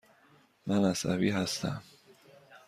من عصبی هستم.